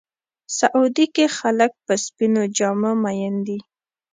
سعودي کې خلک په سپینو جامو مین دي.